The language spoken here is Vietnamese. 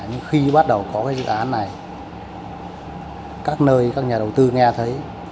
nhưng khi bắt đầu có cái dự án này các nơi các nhà đầu tư nghe thấy